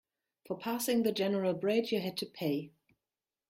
For passing the general bridge, you had to pay.